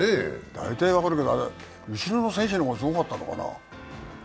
大体分かるけど、後ろの選手がすごかったのかな？